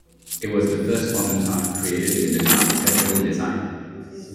It was the first modern park, created with an architectural design.